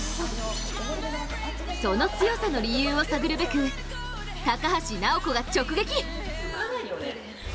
その強さの理由を探るべく高橋尚子が直撃。